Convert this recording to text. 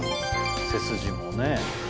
背筋もね